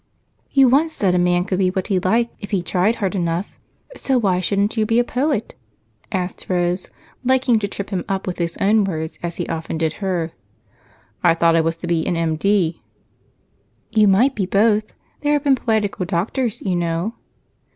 "You once said a man could be what he liked if he tried hard enough, so why shouldn't you be a poet?" asked Rose, liking to trip him up with his own words, as he often did her. "I thought I was to be an M.D." "You might be both. There have been poetical doctors, you know."